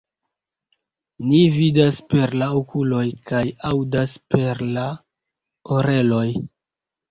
Ni vidas per la okuloj kaj aŭdas perla oreloj.